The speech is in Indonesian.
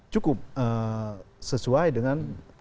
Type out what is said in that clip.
cukup sesuai dengan